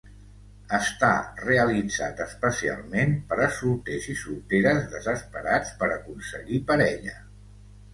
Està realitzat especialment per a solters i solteres desesperats per aconseguir parella.